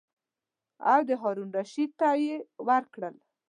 او د هارون الرشید ته یې ورکړل.